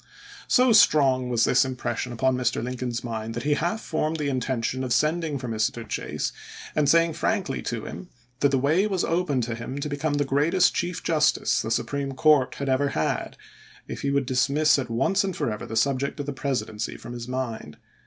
So strong was this impression upon Mr. Lincoln's mind that he half formed the intention of sending for Mr. Chase and saying frankly to him that the way was open to him to become the greatest chief justice the Supreme Court had ever had if he would dismiss at once and forever the subject of the Presidency from his mind.